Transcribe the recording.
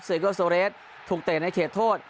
เซเกอร์โซเลสถูกเต่นในเขตโทษ